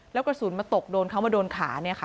แล้วกระสุนมาตกโดนเขามาโดนขา